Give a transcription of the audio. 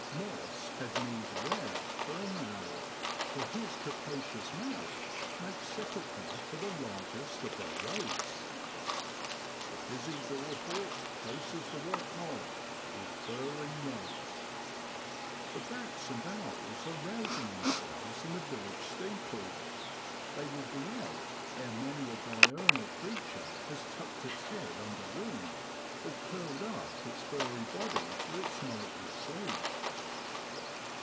Moths had need ' ware ' fern owl, for his capa cious mouth makes sepulchre for the largest of their race. ' The busy dor hawk chases the white moth With burring note ' The bats and owls are rousing themselves in the village steeple, they will be out ere many a diurnal creature has tucked its head under wing, or curled up its furry body for its nightly sleep.